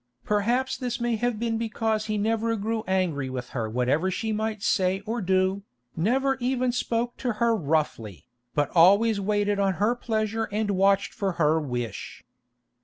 Perhaps this may have been because he never grew angry with her whatever she might say or do, never even spoke to her roughly, but always waited on her pleasure and watched for her wish.